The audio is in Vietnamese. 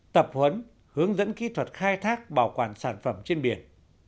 tập huấn hướng dẫn kỹ thuật khai thác bảo quản sản phẩm trên biển